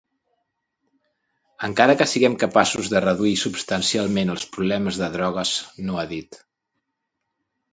Encara que siguem capaços de reduir substancialment els problemes de drogues, no ha dit.